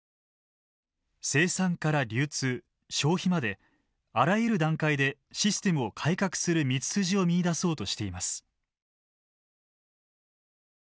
生産から流通消費まであらゆる段階でシステムを改革する道筋を見いだそうとしています。